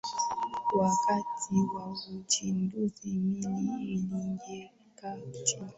wakati wa uzinduzi meli iligeuka chini